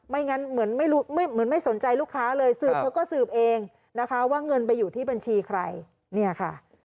ไม่งั้นเหมือนไม่สนใจลูกค้าเลยสืบแล้วก็สืบเองนะคะว่าเงินไปอยู่ที่บัญชีใครเนี่ยค่ะ